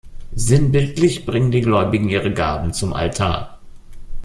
Sinnbildlich bringen die Gläubigen ihre Gaben zum Altar.